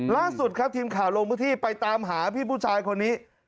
ล่าสุดครับทีมข่าวลงพื้นที่ไปตามหาพี่ผู้ชายคนนี้